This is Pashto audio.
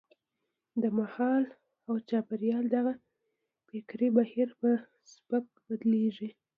د مهال او چاپېریال دغه فکري بهیر په سبک بدلېږي.